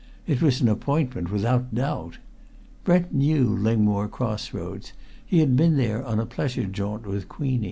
It was an appointment without doubt. Brent knew Lingmore Cross Roads. He had been there on a pleasure jaunt with Queenie.